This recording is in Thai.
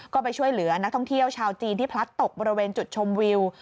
ก็ไปช่วยเหลือนักท่องเที่ยวชาวจีนที่พลัดตกบริเวณจุดชมวิว